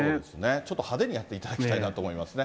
ちょっと派手にやっていただきなと思いますね。